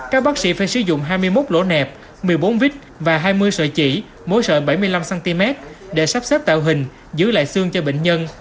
các bác sĩ phải sử dụng hai mươi một lỗ nẹp một mươi bốn vít và hai mươi sợi chỉ mỗi sợi bảy mươi năm cm để sắp xếp tạo hình giữ lại xương cho bệnh nhân